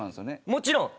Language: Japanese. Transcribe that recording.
もちろん。